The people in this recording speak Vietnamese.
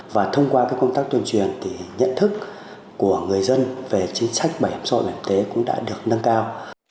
và thông qua công tác tuyên truyền thì nhận thức của người dân về chính sách bảo hiểm xã hội bảo hiểm y tế cũng đã được nâng cao